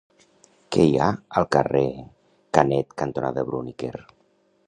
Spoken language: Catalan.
Què hi ha al carrer Canet cantonada Bruniquer?